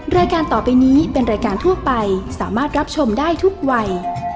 รายการต่อไปนี้เป็นรายการทั่วไปสามารถรับชมได้ทุกวัย